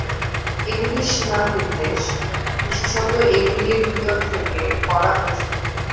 এগুলির সীমানা নির্দেশ, বিশেষত এগুলির ভিতর থেকে, করা কঠিন।